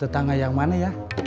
tetangga yang mana ya